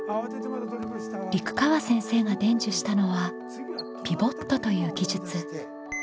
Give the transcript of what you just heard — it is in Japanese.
陸川先生が伝授したのはピボットという技術。